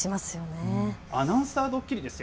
アナウンサーどっきりですよ。